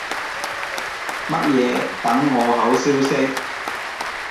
乜嘢等我好消息